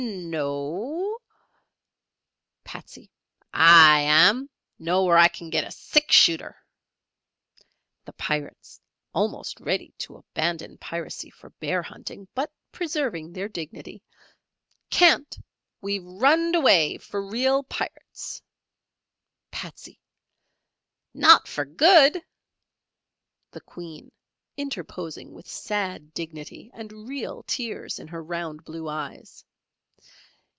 "No o " Patsey. "I am; know where I kin get a six shooter." The Pirates (almost ready to abandon piracy for bear hunting, but preserving their dignity). "Can't! We've runn'd away for real pirates." Patsey. "Not for good!" The Queen (interposing with sad dignity and real tears in her round blue eyes).